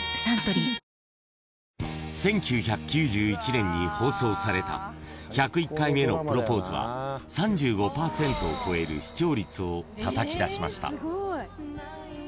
１９９１年に放送された『１０１回目のプロポーズ』は３５％を超える視聴率をたたき出しました］